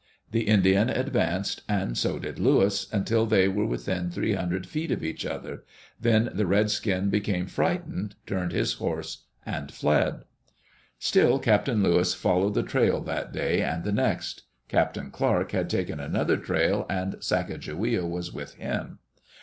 The Indian advanced, and so did Lewis, until they were within three hundred feet of each other; then the redskin became frightened, turned his horse, and fled. Still Captain Lewis followed the trail that day and the next. Captain Clark had taken another trail and Sacajawea was with him.